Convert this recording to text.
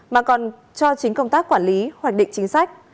mà còn cho chính công tác quản lý hoạch định chính sách